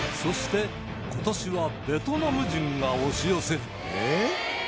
そして今年はベトナム人が押し寄せる